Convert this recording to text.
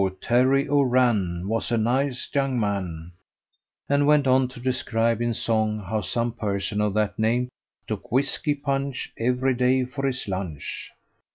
Terry O'Rann Was a nice young man," and went on to describe in song how some person of that name "Took whisky punch Every day for his lunch."